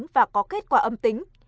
và có kết quả âm tính